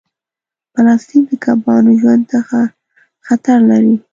پلاستيک د کبانو ژوند ته خطر لري.